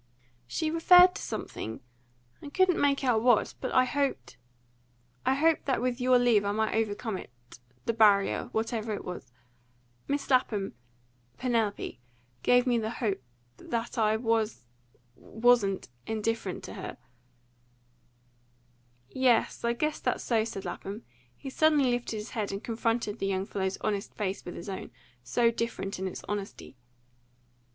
"She referred to something I couldn't make out what but I hoped I hoped that with your leave I might overcome it the barrier whatever it was. Miss Lapham Penelope gave me the hope that I was wasn't indifferent to her " "Yes, I guess that's so," said Lapham. He suddenly lifted his head, and confronted the young fellow's honest face with his own face, so different in its honesty.